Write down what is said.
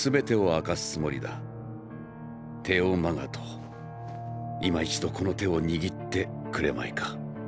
テオ・マガトいま一度この手を握ってくれまいか？